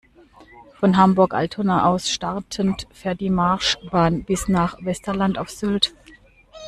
Von Hamburg-Altona aus startend fährt die Marschbahn bis nach Westerland auf Sylt.